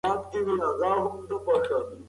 ما په تېره میاشت کې یو ځل هم سګرټ نه دی څښلی.